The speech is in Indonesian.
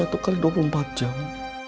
kalau nanti siang febrir belum pulang